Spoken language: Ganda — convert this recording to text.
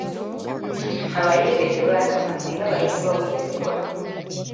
Abayizi tebasoma singa bayisibwa buyisibwa.